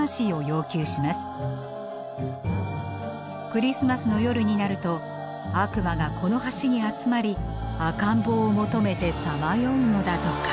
クリスマスの夜になると悪魔がこの橋に集まり赤ん坊を求めてさまようのだとか。